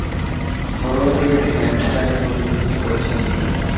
ঘরোয়া ক্রিকেটে হ্যাম্পশায়ারের প্রতিনিধিত্ব করছেন তিনি।